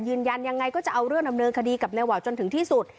ยืนยันยังไงก็จะเอาเรื่องดำเนินคดีกับนายวาวจนถึงที่สุด